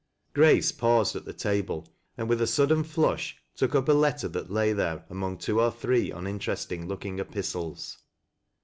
Grace paused at the table, and with a suddwn flush, took up a letter that lay there among two or three 'minteresting looking epistles.